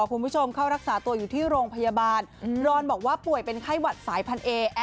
คุณผู้ชมเข้ารักษาตัวอยู่ที่โรงพยาบาลรอนบอกว่าป่วยเป็นไข้หวัดสายพันเอ